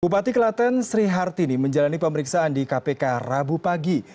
bupati kelaten sri hartini menjalani pemeriksaan di kpk rabu pagi